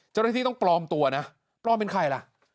เจ้าหน้าที่ต้องปลอมตัวนะปลอมเป็นใครล่ะ